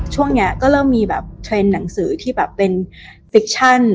ช่วงนี้ก็เริ่มมีแบบเทรนด์หนังสือที่แบบเป็นฟิกชั่น